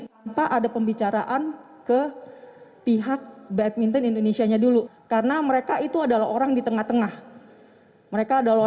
tanpa ada pembicaraan ke pihak badminton indonesia nya dulu karena mereka itu adalah orang di tengah tengah mereka adalah